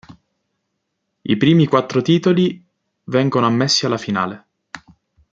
I primi quattro titoli vengono ammessi alla finale.